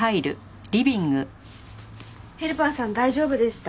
ヘルパーさん大丈夫でした？